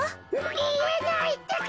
みえないってか。